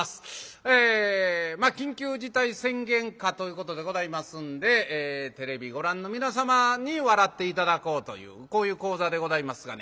えまあ緊急事態宣言下ということでございますんでテレビご覧の皆様に笑って頂こうというこういう高座でございますがね。